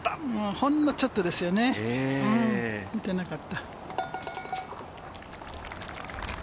ほんのちょっとですよね、打てなかった。